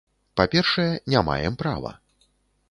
Па-першае, не маем права.